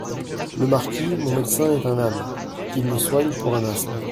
Le Marquis, Mon médecin est un âne… il me soigne pour un asthme…